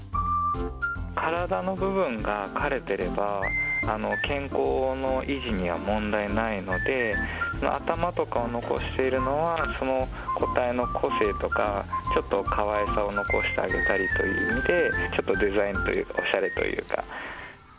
体の部分が刈れていれば健康の維持には問題ないので、頭とか残しているのは、その個体の個性とか、ちょっとかわいさを残してあげたりという意味で、ちょっとデザインというか、おしゃれというか。